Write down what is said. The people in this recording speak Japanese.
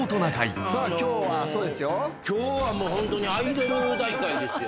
今日はもうホントにアイドル大会ですよ。